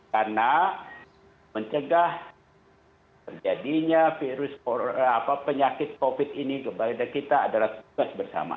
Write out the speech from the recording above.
karena mencegah terjadinya virus penyakit covid ini kepada kita adalah tugas bersama